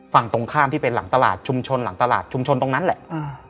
ฝั่งตรงข้ามที่เป็นหลังตลาดชุมชนหลังตลาดชุมชนตรงนั้นแหละอ่า